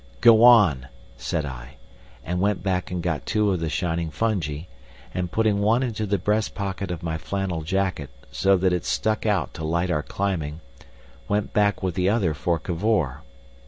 "Go on!" said I, and went back and got two of the shining fungi, and putting one into the breast pocket of my flannel jacket, so that it stuck out to light our climbing, went back with the other for Cavor.